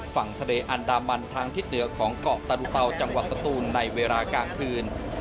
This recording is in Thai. ฝั่งทะเลอันดามันทางทิศเหนือของเกาะสะดุเตาจังหวัดสตูนในเวลากลางคืน